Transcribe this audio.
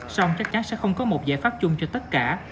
xong chắc chắn sẽ không có một giải pháp chung cho tất cả